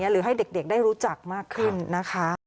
หรือให้เด็กได้รู้จักมากขึ้นนะคะ